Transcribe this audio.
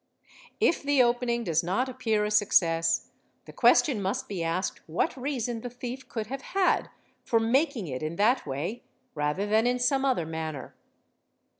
If the opening does not appear a success, 'the question must be asked what reason the thief could have had for aking it in that way rather than in some other manner.